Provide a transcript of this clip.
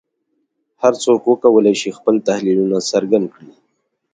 هر څوک وکولای شي خپل تحلیلونه څرګند کړي